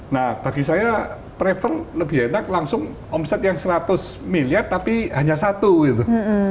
nah bagi saya prefer lebih enak langsung omset yang seratus miliar tapi hanya satu gitu